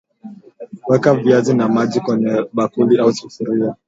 Weka viazi na maji kwenye bakuli au sufuria